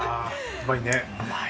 うまいねえ。